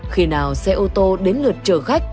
khi nào xe ô tô đến lượt chở khách